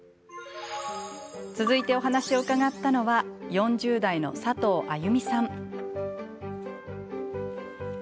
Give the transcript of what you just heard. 続いて、お話を伺ったのは４０代の佐藤歩美さん。